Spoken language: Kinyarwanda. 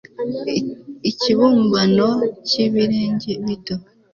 ikibumbano cyibirenge bito